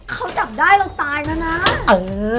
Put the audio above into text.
เขาจับได้แล้วตายนะน้า